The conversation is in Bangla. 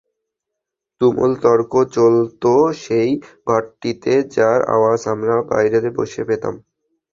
তুমুল তর্ক চলত সেই ঘরটিতে, যার আওয়াজ আমরা বাইরে বসে পেতাম।